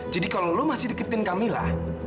jadi kalau kamu masih dekatkan kamila